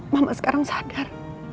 mama sekarang sadar